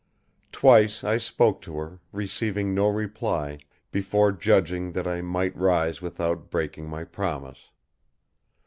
Twice I spoke to her, receiving no reply, before judging that I might rise without breaking my promise.